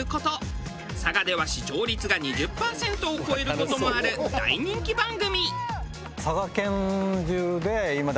佐賀では視聴率が２０パーセントを超える事もある大人気番組。